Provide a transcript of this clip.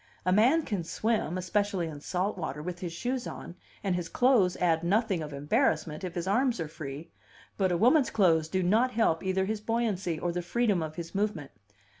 A man can swim (especially in salt water) with his shoes on, and his clothes add nothing of embarrassment, if his arms are free; but a woman's clothes do not help either his buoyancy or the freedom of his movement.